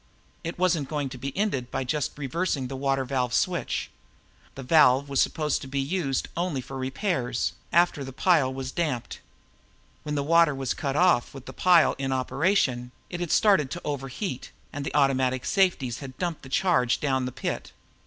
It wasn't going to be ended by just reversing the water valve switch. This valve was supposed to be used only for repairs, after the pile was damped. When the water was cut off with the pile in operation, it had started to overheat and the automatic safeties had dumped the charge down the pit.